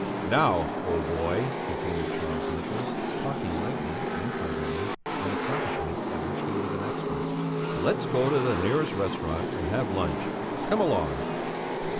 "Now, old boy," continued Charles Nicholas, talking lightly and pleasantly, an accomplishment at which he was an expert. "Let's go to the nearest restaurant and have lunch. Come along!"